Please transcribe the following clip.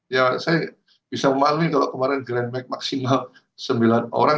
ya saya bisa memahami kalau kemarin grandmack maksimal sembilan orang